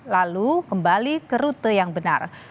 lalu kembali ke rute yang benar